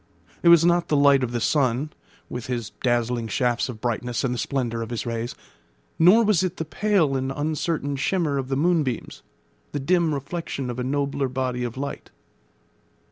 It was not the light of the sun, with his dazzling shafts of brightness and the splendour of his rays; nor was it the pale and uncertain shimmer of the moonbeams, the dim reflection of a nobler body of light.